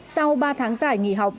sau ba tháng dài nghỉ học